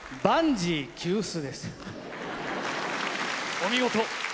お見事。